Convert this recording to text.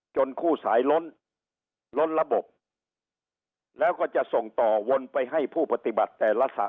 คู่สายล้นล้นระบบแล้วก็จะส่งต่อวนไปให้ผู้ปฏิบัติแต่ละสระ